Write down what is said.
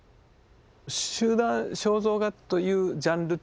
集団肖像画というジャンルっていうか